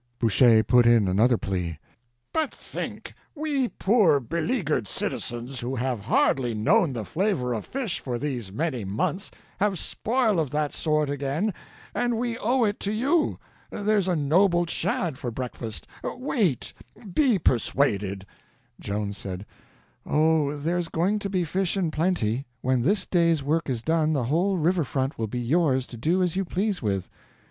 Boucher put in another plea: "But think—we poor beleaguered citizens who have hardly known the flavor of fish for these many months, have spoil of that sort again, and we owe it to you. There's a noble shad for breakfast; wait—be persuaded." Joan said: "Oh, there's going to be fish in plenty; when this day's work is done the whole river front will be yours to do as you please with."